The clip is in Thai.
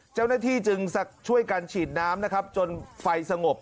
เจ้าหน้าที่จึงช่วยกันฉีดน้ำนะครับจนไฟสงบ